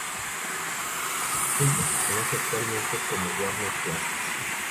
El sello se conoce actualmente como Warner Classics.